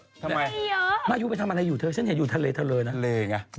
ทำไมเยอะมายูไปทำอะไรอยู่เธอฉันเห็นอยู่ทะเลทะเลนะทะเลไง